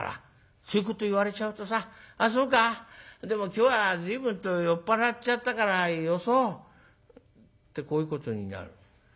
そういうこと言われちゃうとさ『ああそうか。でも今日は随分と酔っ払っちゃったからよそう』ってこういうことになる。